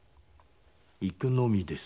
行くのみです。